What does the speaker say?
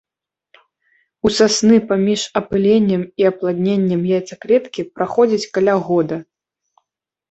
У сасны паміж апыленнем і апладненнем яйцаклеткі праходзіць каля года.